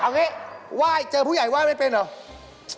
เอางี้เจอผู้ใหญ่ว่ายไม่เป็นหรือ